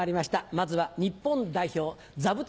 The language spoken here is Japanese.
まずは日本代表座布団